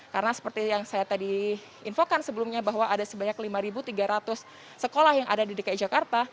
karena seperti yang saya tadi infokan sebelumnya bahwa ada sebanyak lima tiga ratus sekolah yang ada di dki jakarta